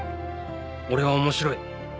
俺は面白い